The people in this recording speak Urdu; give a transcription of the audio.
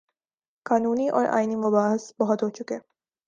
قانونی اور آئینی مباحث بہت ہو چکے۔